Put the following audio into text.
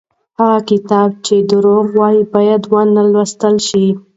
هغه کتاب چې دروغ وي بايد ونه لوستل شي.